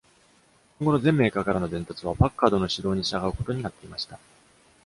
今後の全メーカーからの伝達は、パッカードの指導に従うことになっていました。